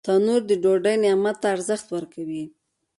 تنور د ډوډۍ نعمت ته ارزښت ورکوي